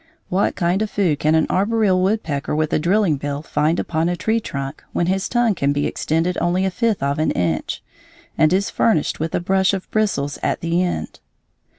What kind of food can an arboreal woodpecker with a drilling bill find upon a tree trunk when his tongue can be extended only a fifth of an inch, and is furnished with a brush of bristles at the end?